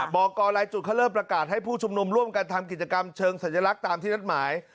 บอกกรรายจุดเขาเริ่มประกาศให้ผู้ชุมนุมร่วมกันทำกิจกรรมเชิงสัญลักษณ์ตามที่นัดหมาย